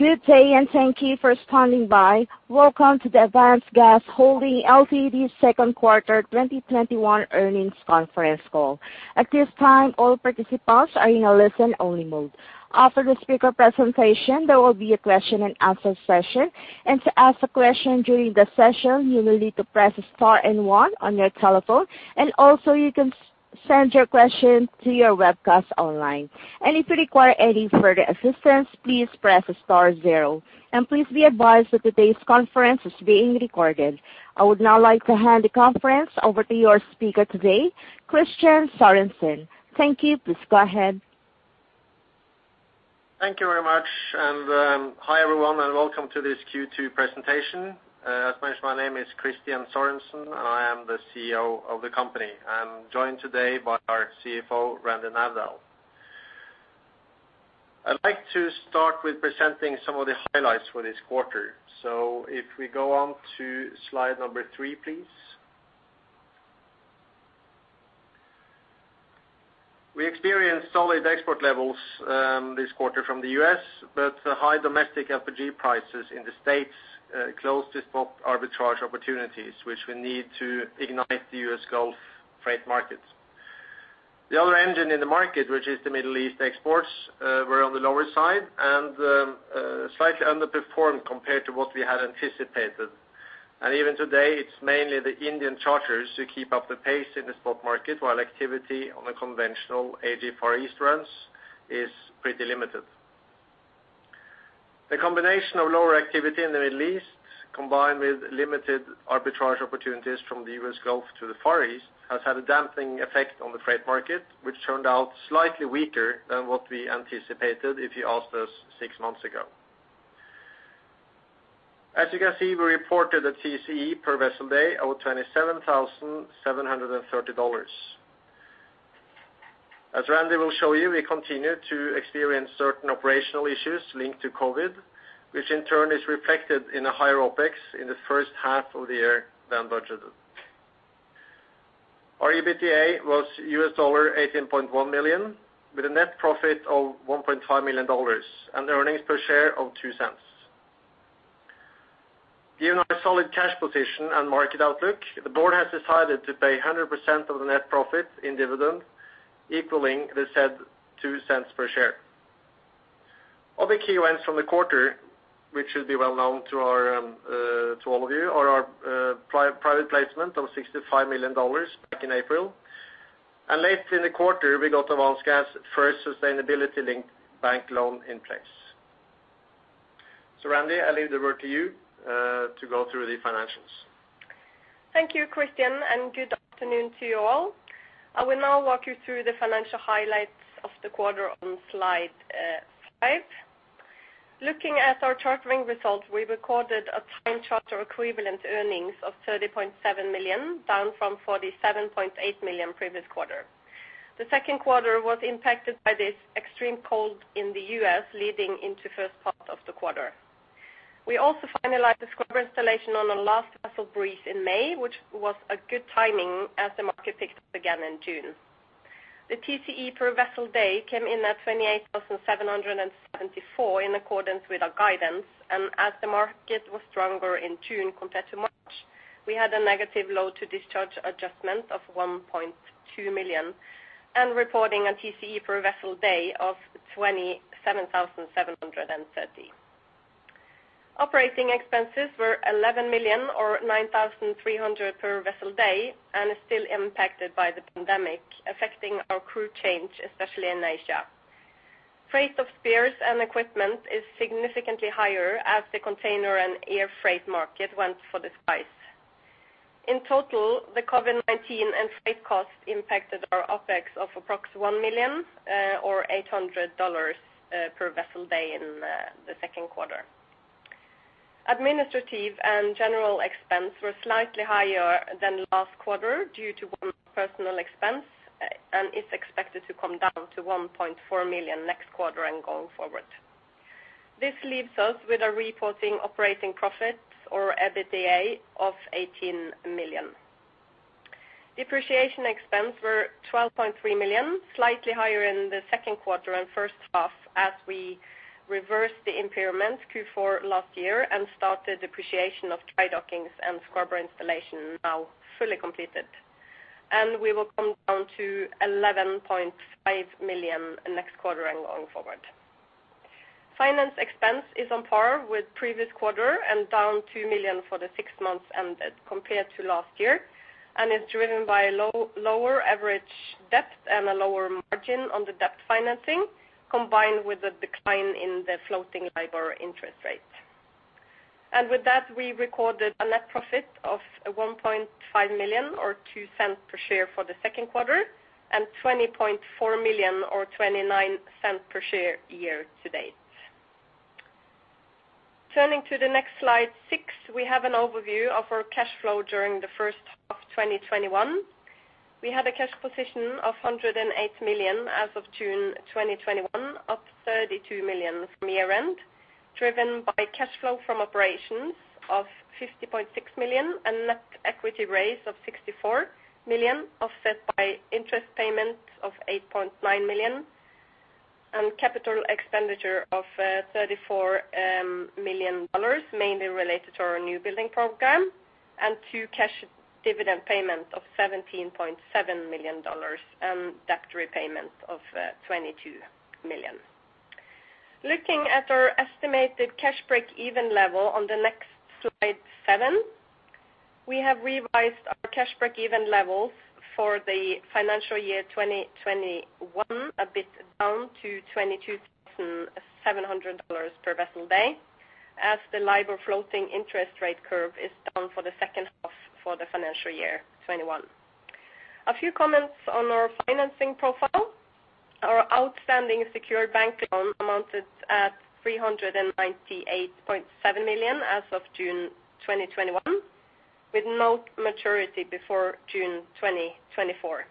Welcome to the Avance Gas Holding Ltd's second quarter 2021 earnings conference call. At this time, all participants are in listen-only mode. After the speaker presentation, there will be a question and answer session, you will need to press star and one on your telephone. Also, can send your questions to your webcast online If you require any further assistance, please press star zero. Please be advised that today's conference is being recorded. I would now like to hand the conference over to your speaker today, Kristian Sørensen. Thank you. Please go ahead. Thank you very much. Hi, everyone, and welcome to this Q2 presentation. As mentioned, my name is Kristian Sørensen. I am the CEO of the company. I'm joined today by our CFO, Randi Navdal Bekkelund. I'd like to start with presenting some of the highlights for this quarter. If we go on to slide number 3, please. We experienced solid export levels this quarter from the U.S., but high domestic LPG prices in the States closed the spot arbitrage opportunities, which we need to ignite the U.S. Gulf freight market. The other engine in the market, which is the Middle East exports, were on the lower side and slightly underperformed compared to what we had anticipated. Even today, it's mainly the Indian charterers who keep up the pace in the spot market, while activity on the conventional AG Far East runs is pretty limited. The combination of lower activity in the Middle East, combined with limited arbitrage opportunities from the U.S. Gulf to the Far East, has had a damping effect on the freight market, which turned out slightly weaker than what we anticipated if you asked us six months ago. As you can see, we reported a TCE per vessel day of $27,730. As Randi will show you, we continue to experience certain operational issues linked to COVID, which in turn is reflected in a higher OpEx in the first half of the year than budgeted. Our EBITDA was $18.1 million, with a net profit of $1.5 million and earnings per share of $0.02. Given our solid cash position and market outlook, the board has decided to pay 100% of the net profit in dividends, equaling the said $0.02 per share. Other key events from the quarter, which should be well known to all of you, are our private placement of $65 million back in April. Late in the quarter, we got Avance Gas's first sustainability-linked bank loan in place. Randi, I leave the word to you, to go through the financials. Thank you, Kristian, and good afternoon to you all. I will now walk you through the financial highlights of the quarter on slide 5. Looking at our chartering results, we recorded a Time Charter Equivalent earnings of $30.7 million, down from $47.8 million previous quarter. The second quarter was impacted by this extreme cold in the U.S. leading into first half of the quarter. We also finalized the scrubber installation on the last vessel, Breeze, in May, which was a good timing as the market picked up again in June. The TCE per vessel day came in at $28,774 in accordance with our guidance, and as the market was stronger in June compared to March, we had a negative load to discharge adjustment of $1.2 million and reporting a TCE per vessel day of $27,730. Operating expenses were $11 million or $9,300 per vessel day and are still impacted by the pandemic, affecting our crew change, especially in Asia. Freight of spares and equipment is significantly higher as the container and air freight market went for the skies. In total, the COVID-19 and freight costs impacted our OpEx of approximately $1 million or $800 per vessel day in the second quarter. Administrative and general expense were slightly higher than last quarter due to personnal expense and is expected to come down to $1.4 million next quarter and going forward. This leaves us with a reporting operating profit or EBITDA of $18 million. Depreciation expense were $12.3 million, slightly higher in the second quarter and first half as we reversed the impairment Q4 last year and started depreciation of dry dockings and scrubber installation now fully completed. We will come down to $11.5 million next quarter and going forward. Finance expense is on par with previous quarter and down $2 million for the six months ended compared to last year and is driven by lower average debt and a lower margin on the debt financing, combined with a decline in the floating LIBOR interest rate. With that, we recorded a net profit of $1.5 million or $0.02 per share for the second quarter and $20.4 million or $0.29 per share year to date. Turning to the next slide 6, we have an overview of our cash flow during the first half 2021. We had a cash position of $108 million as of June 2021, up $32 million from year-end. Driven by cash flow from operations of $50.6 million and net equity raise of $64 million, offset by interest payment of $8.9 million and capital expenditure of $34 million, mainly related to our new building program, and two cash dividend payment of $17.7 million, and debt repayment of $22 million. Looking at our estimated cash breakeven level on the next slide 7, we have revised our cash breakeven levels for the financial year 2021 a bit down to $22,700 per vessel day, as the LIBOR floating interest rate curve is down for the second half for the financial year 2021. A few comments on our financing profile. Our outstanding secured bank loan amounted at $398.7 million as of June 2021, with no maturity before June 2024.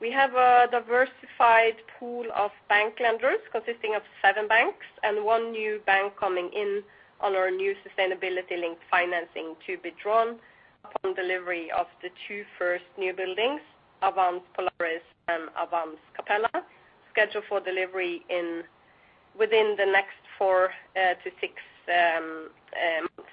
We have a diversified pool of bank lenders consisting of seven banks and one new bank coming in on our new sustainability-linked financing to be drawn upon delivery of the two first new buildings, Avance Polaris and Avance Capella, scheduled for delivery within the next four to six months.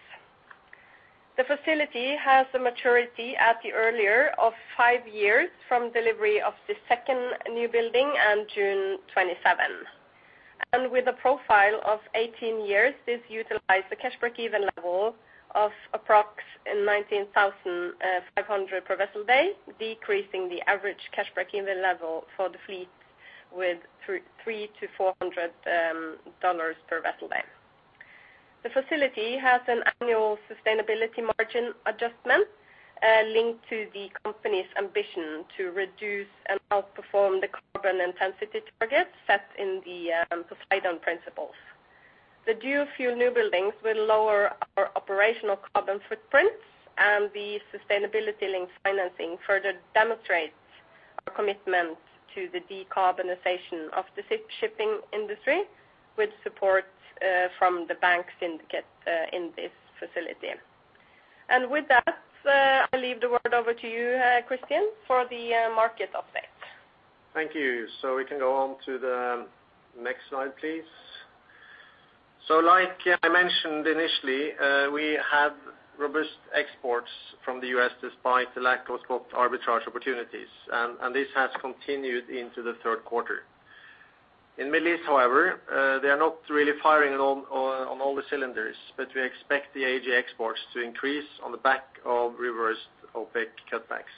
The facility has a maturity at the earlier of five years from delivery of the second new building and June 27. With a profile of 18 years, this utilized the cash breakeven level of approx $19,500 per vessel day, decreasing the average cash breakeven level for the fleet with $300-$400 per vessel day. The facility has an annual sustainability margin adjustment linked to the company's ambition to reduce and outperform the carbon intensity targets set in the Poseidon Principles. The dual fuel new buildings will lower our operational carbon footprints and the sustainability link financing further demonstrates our commitment to the decarbonization of the shipping industry with support from the bank syndicate in this facility. I leave the word over to you, Kristian Sørensen, for the market update. Thank you. We can go on to the next slide, please. Like I mentioned initially, we had robust exports from the U.S. despite the lack of spot arbitrage opportunities, and this has continued into the third quarter. In Middle East, however, they are not really firing on all the cylinders, but we expect the AG exports to increase on the back of reversed OPEC cutbacks.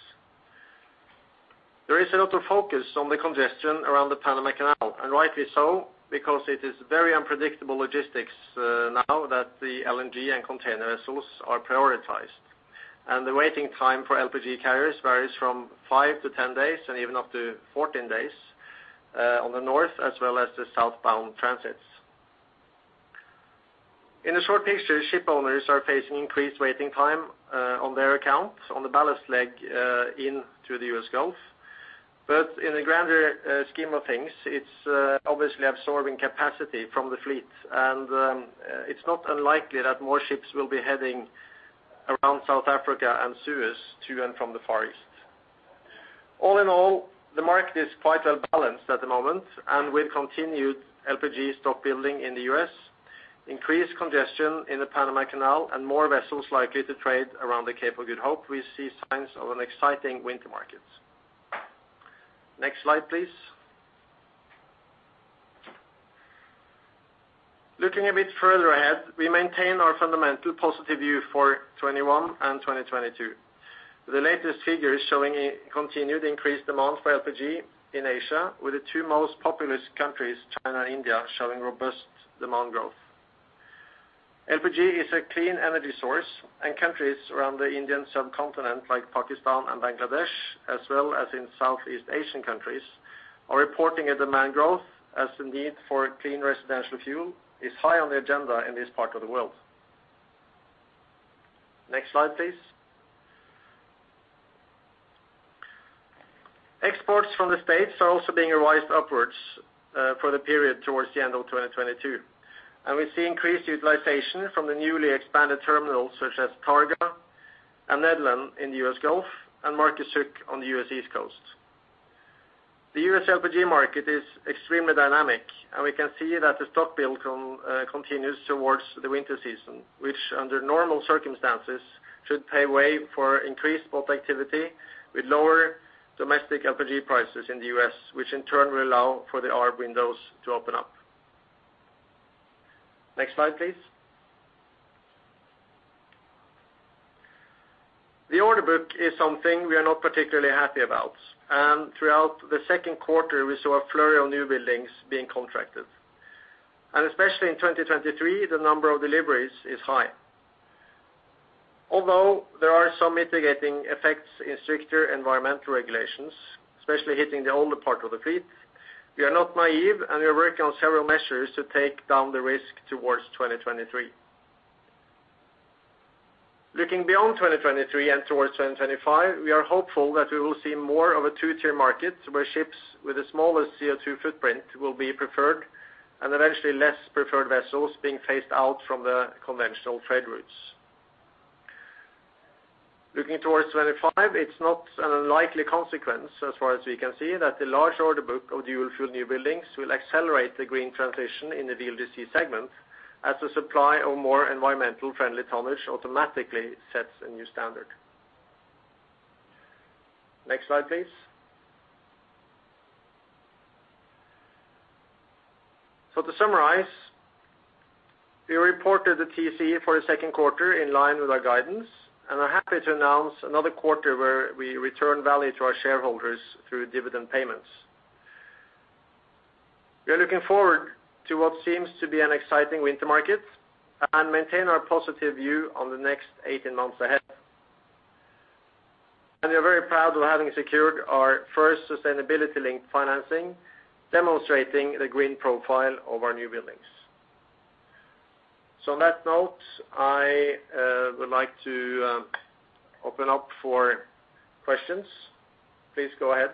There is a lot of focus on the congestion around the Panama Canal, and rightly so, because it is very unpredictable logistics now that the LNG and container vessels are prioritized. The waiting time for LPG carriers varies from five-10 days and even up to 14 days on the north as well as the southbound transits. In the short picture, ship owners are facing increased waiting time on their accounts on the ballast leg in to the U.S. Gulf. In the grander scheme of things, it's obviously absorbing capacity from the fleet. It's not unlikely that more ships will be heading around South Africa and Suez to and from the Far East. All in all, the market is quite well balanced at the moment and with continued LPG stock building in the U.S., increased congestion in the Panama Canal and more vessels likely to trade around the Cape of Good Hope, we see signs of an exciting winter market. Next slide, please. Looking a bit further ahead, we maintain our fundamental positive view for 2021 and 2022. The latest figure is showing a continued increased demand for LPG in Asia, with the two most populous countries, China and India, showing robust demand growth. LPG is a clean energy source. Countries around the Indian subcontinent like Pakistan and Bangladesh, as well as in Southeast Asian countries, are reporting a demand growth as the need for clean residential fuel is high on the agenda in this part of the world. Next slide, please. Exports from the States are also being revised upwards for the period towards the end of 2022. We see increased utilization from the newly expanded terminals such as Targa and Nederland in the U.S. Gulf and Marcus Hook on the U.S. East Coast. The U.S. LPG market is extremely dynamic. We can see that the stock build continues towards the winter season, which under normal circumstances should pave way for increased spot activity with lower domestic LPG prices in the U.S., which in turn will allow for the arb windows to open up. Next slide, please. The order book is something we are not particularly happy about. Throughout the second quarter, we saw a flurry of new buildings being contracted. Especially in 2023, the number of deliveries is high. Although there are some mitigating effects in stricter environmental regulations, especially hitting the older part of the fleet, we are not naive and we are working on several measures to take down the risk towards 2023. Looking beyond 2023 and towards 2025, we are hopeful that we will see more of a 2-tier market where ships with the smallest CO2 footprint will be preferred and eventually less preferred vessels being phased out from the conventional trade routes. Looking towards 2025, it's not an unlikely consequence, as far as we can see, that the large order book of dual-fuel new buildings will accelerate the green transition in the VLGC segment, as the supply of more environmental-friendly tonnage automatically sets a new standard. Next slide, please. To summarize, we reported the TCE for the second quarter in line with our guidance and are happy to announce another quarter where we return value to our shareholders through dividend payments. We are looking forward to what seems to be an exciting winter market and maintain our positive view on the next 18 months ahead. We are very proud of having secured our first sustainability linked financing, demonstrating the green profile of our new buildings. On that note, I would like to open up for questions. Please go ahead.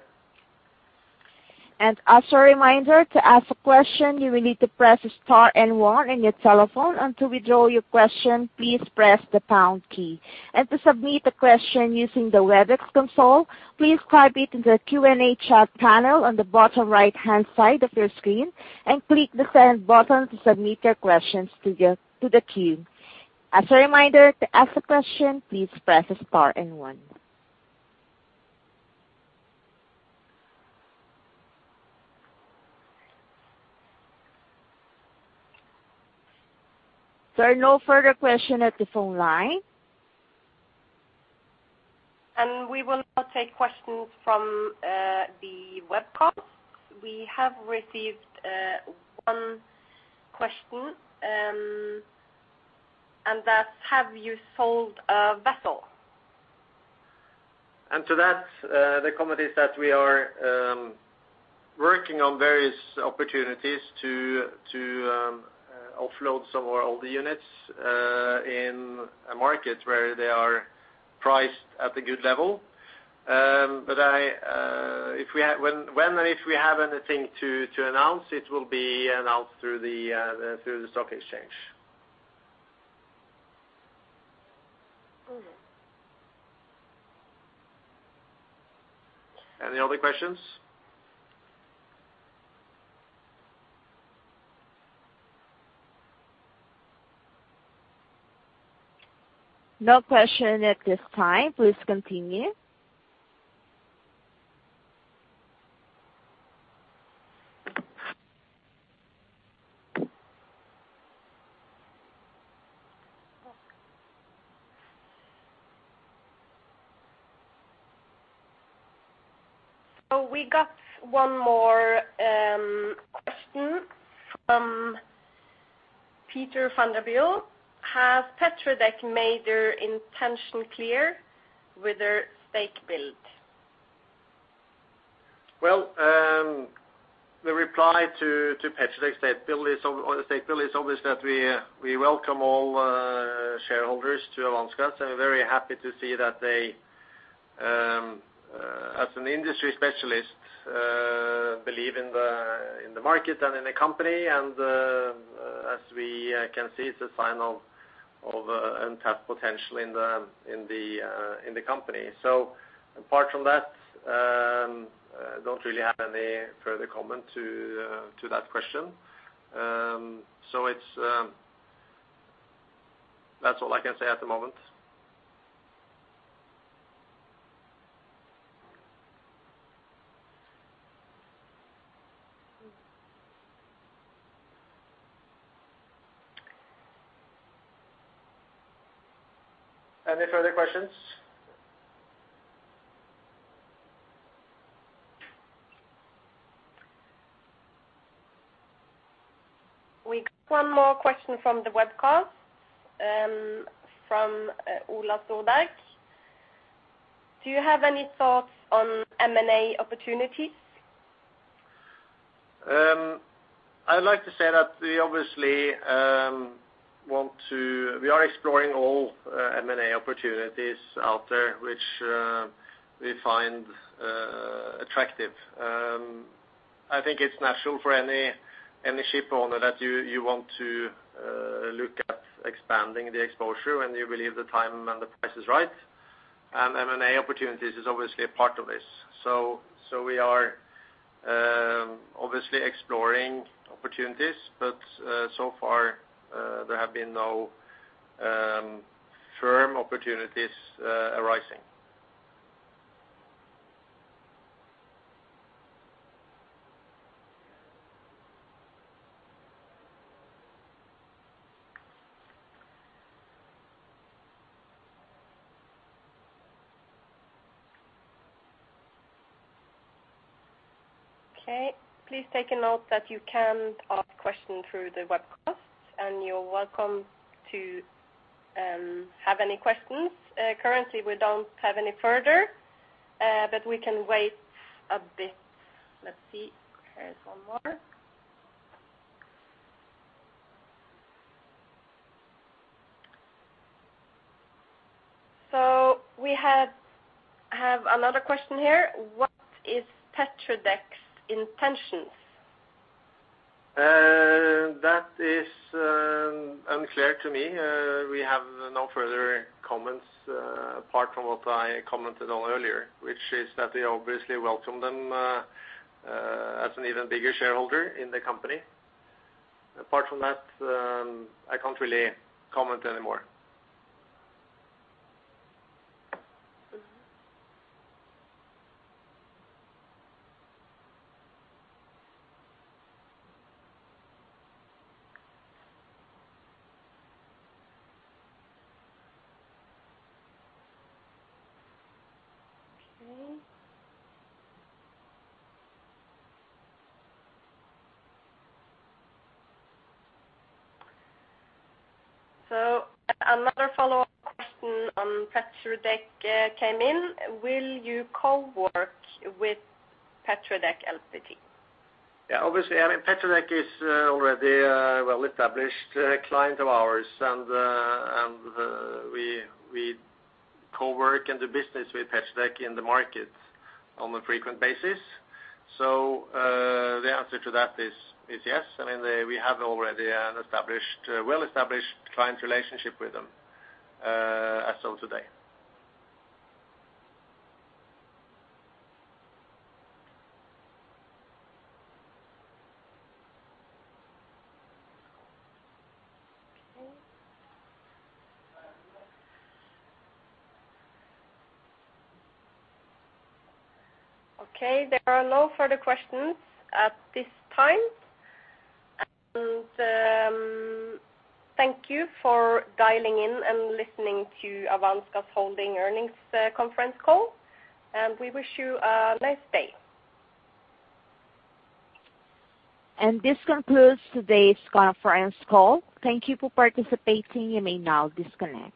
As a reminder, to ask a question, you will need to press star one on your telephone. To withdraw your question, please press the pound key. To submit a question using the WebEx console, please type it in the Q&A chat panel on the bottom right-hand side of your screen and click the send button to submit your questions to the queue. As a reminder, to ask a question, please press star one. There are no further question at the phone line. We will now take questions from the webcast. We have received one question, and that's have you sold a vessel? To that, the comment is that we are working on various opportunities to offload some of our older units in a market where they are priced at a good level. When and if we have anything to announce, it will be announced through the stock exchange. Okay. Any other questions? No question at this time. Please continue. We got one more question from Petter van der Bilt. Has Petredec made their intention clear with their stake build? Well, the reply to Petredec stake build is obvious that we welcome all shareholders to Avance Gas and are very happy to see that they, as an industry specialist, believe in the market and in the company. As we can see, it's a sign of untapped potential in the company. Apart from that, I don't really have any further comment to that question. That's all I can say at the moment. Any further questions? We got one more question from the webcast, from Ola Sødal. Do you have any thoughts on M&A opportunities? I would like to say that we are exploring all M&A opportunities out there which we find attractive. I think it's natural for any ship owner that you want to look at expanding the exposure when you believe the time and the price is right. M&A opportunities is obviously a part of this. We are obviously exploring opportunities, but so far there have been no firm opportunities arising. Okay. Please take a note that you can ask questions through the webcast, and you're welcome to have any questions. Currently, we don't have any further, but we can wait a bit. Let's see. Here's one more. We have another question here. What is Petredec's intentions? That is unclear to me. We have no further comments apart from what I commented on earlier, which is that we obviously welcome them as an even bigger shareholder in the company. Apart from that, I can't really comment any more. Okay. Another follow-up question on Petredec came in. Will you co-work with Petredec LPG? Yeah, obviously. Petredec is already a well-established client of ours, and we co-work in the business with Petredec in the market on a frequent basis. The answer to that is yes. We have already an well-established client relationship with them as so today. Okay. There are no further questions at this time. Thank you for dialing in and listening to Avance Gas Holding earnings conference call, and we wish you a nice day. This concludes today's conference call. Thank you for participating. You may now disconnect.